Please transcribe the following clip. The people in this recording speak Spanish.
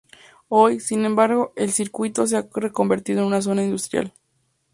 Hoy, sin embargo, el circuito se ha reconvertido en una zona industrial.